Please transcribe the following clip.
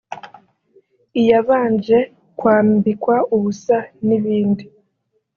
iyabanje kwambikwa ubusa n’ibindi